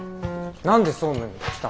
何で総務に来たの？